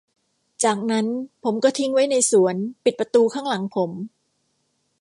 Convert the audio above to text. จากนั้นผมก็ทิ้งไว้ในสวนปิดประตูข้างหลังผม